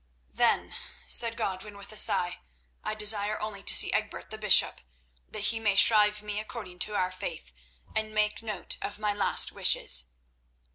"Then," said Godwin with a sigh, "I desire only to see Egbert the bishop, that he may shrive me according to our faith and make note of my last wishes."